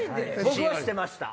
僕は知ってました。